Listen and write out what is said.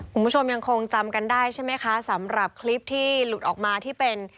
คุณผู้ชมยังคงจำกันได้ใช่ไหมคะสำหรับคลิปที่หลุดออกมาที่เป็น